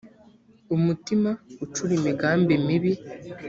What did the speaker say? umutima ucura imigambi mibi